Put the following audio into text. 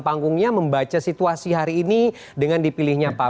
maksudnya itu coping semuanya masalah ada di templec railway